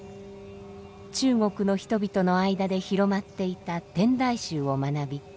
中国の人々の間で広まっていた天台宗を学び